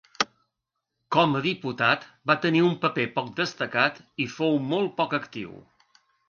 Com a diputat va tenir un paper poc destacat i fou molt poc actiu.